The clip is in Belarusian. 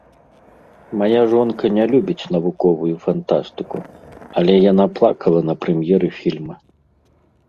Мая жонка не любіць навуковую фантастыку, але яна плакала на прэм'еры фільма.